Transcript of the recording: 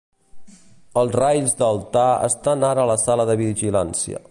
Els Rails d'altar estan ara a la sala de vigilància.